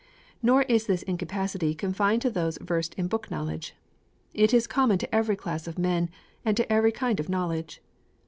Nor is this incapacity confined to those versed in book knowledge. It is common to every class of men, and to every kind of knowledge.